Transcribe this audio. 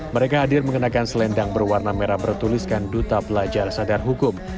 mereka hadir mengenakan selendang berwarna merah bertuliskan duta pelajar sadar hukum